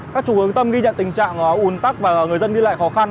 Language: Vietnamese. các trục hướng tâm ghi nhận tình trạng un tắc và người dân ghi lại khó khăn